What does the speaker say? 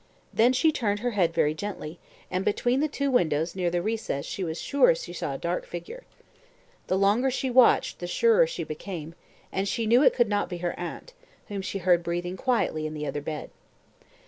Then she turned her head very gently, and between the two windows near the recess she was sure she saw a dark figure. The longer she watched the surer she became, and she knew it could not be her aunt, whom she heard breathing quietly in the other bed.